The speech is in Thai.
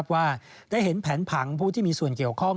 ว่าได้เห็นแผนผังผู้ที่มีส่วนเกี่ยวข้อง